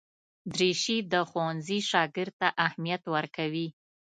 دریشي د ښوونځي شاګرد ته اهمیت ورکوي.